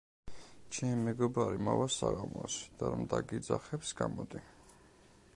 ჩემი მეგობარი მოვა საღამოს, და რომ დაგიძახებს, გამოდი.